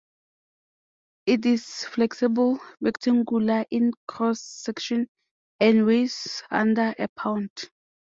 It is flexible, rectangular in cross section, and weighs under a pound.